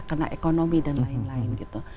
karena ekonomi dan lain lain gitu